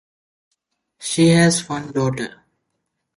She has one daughter.